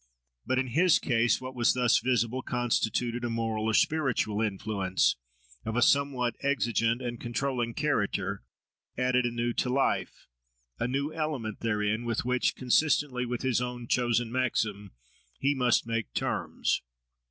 But, in his case, what was thus visible constituted a moral or spiritual influence, of a somewhat exigent and controlling character, added anew to life, a new element therein, with which, consistently with his own chosen maxim, he must make terms.